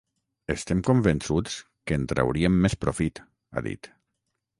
“Estem convençuts que en trauríem més profit”, ha dit.